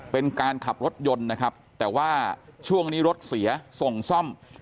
เป็นการขับรถยนต์นะครับแต่ว่าช่วงนี้รถเสียส่งซ่อม